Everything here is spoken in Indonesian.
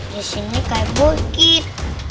disini kayak bukit